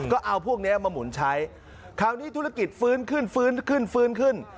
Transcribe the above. ก็เอาพวกนี้มาหมุนใช้คราวนี้ธุรกิจฟื้นขึ้นฟื้นขึ้นฟื้นขึ้น